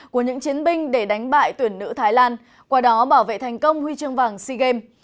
của những chiến binh để đánh bại tuyển nữ thái lan qua đó bảo vệ thành công huy chương vàng sea games